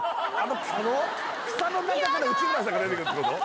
草の中から内村さんが出てくるってこと？